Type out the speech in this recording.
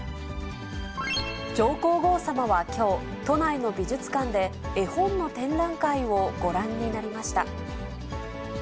上皇后さまはきょう、都内の美術館で絵本の展覧会をご覧になりました。